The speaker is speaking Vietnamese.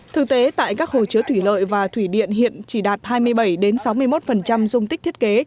thực tế tại các hồ chứa thủy lợi và thủy điện hiện chỉ đạt hai mươi bảy sáu mươi một dung tích thiết kế